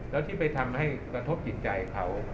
แล้วที่ไปทำให้กระทบจิตใจเขา